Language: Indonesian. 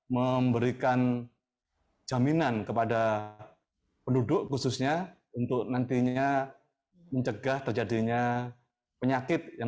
memberikan jaminan kepada penduduk khususnya untuk nantinya mencegah terjadinya penyakit yang